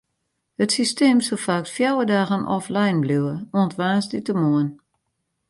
It systeem sil faaks fjouwer dagen offline bliuwe, oant woansdeitemoarn.